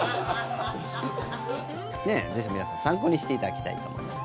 ぜひ皆さん参考にしていただきたいと思います。